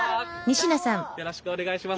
よろしくお願いします。